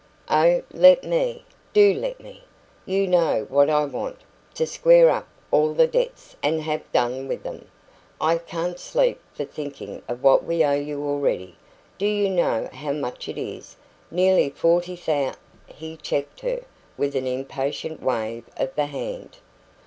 "Oh, let me do let me! You know what I want to square up all the debts and have done with them. I can't sleep for thinking of what we owe you already. Do you know how much it is? Nearly forty thou " He checked her with an impatient wave of the hand.